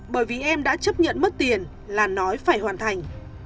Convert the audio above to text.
bởi vì em đã chấp nhận mất tiền là nói phải hoàn thành